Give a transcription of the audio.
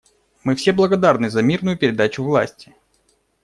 Мы все благодарны за мирную передачу власти.